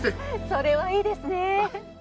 それはいいですね。